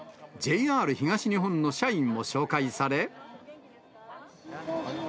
ＪＲ東日本の社員を紹介され。